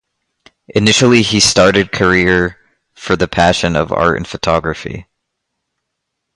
Initially he started career for the passion of art and photography.